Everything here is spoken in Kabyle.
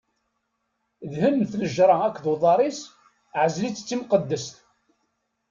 Dhen tnejṛa akked uḍar-is, ɛzel-itt d timqeddest.